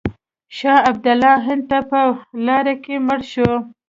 شاه عبدالله هند ته په لاره کې مړ شو.